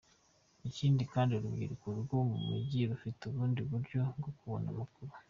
Ikindi kandi urubyiruko rwo mu mujyi rufite ubundi buryo bwo kubona amakuru.